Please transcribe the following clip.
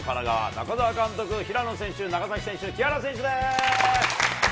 中澤監督、平野選手、長崎選手、木原選手です。